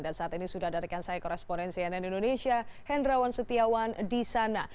dan saat ini sudah ada rekan saya koresponen cnn indonesia hendrawan setiawan di sana